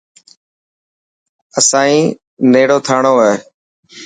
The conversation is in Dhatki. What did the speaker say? اسانڻي نيڙو ٿانڙو هي.